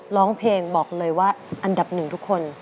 ร้องเพลงบอกเลยว่าอันดับหนึ่งทุกคน